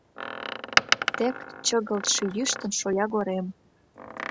Тек чыгылтше йӱштын шоягорем…